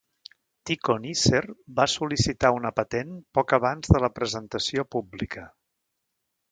Tykonicer va sol·licitar una patent poc abans de la presentació pública.